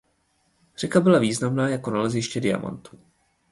Řeka byla významná jako naleziště diamantů.